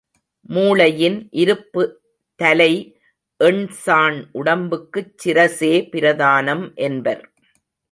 மூளையின் இருப்பு தலை, எண் சாண் உடம்புக்குச் சிரசே பிரதானம் என்பர்.